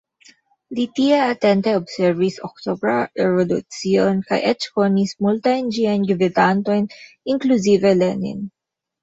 Li tie atente observis Oktobra Revolucion kaj eĉ konis multajn ĝiajn gvidantojn, inkluzive Lenin.